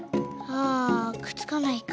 あくっつかないか。